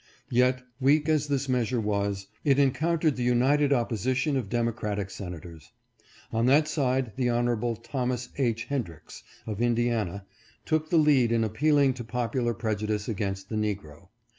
Yet, weak as this measure was, it encountered the united opposition of democratic senators. On that side the Hon. Thomas H. Hendricks, of Indiana, took the lead in appealing to popular prejudice against the negro.